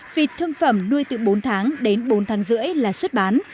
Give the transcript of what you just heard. vịt thương phẩm nuôi từ bốn tháng đến bốn tháng rưỡi là xuất bán